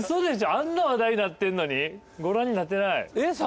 あんな話題になってんのにご覧になってない？